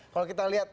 kalau kita lihat